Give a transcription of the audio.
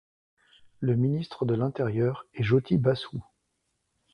Le ministre de l’intérieur en est Jyoti Basu.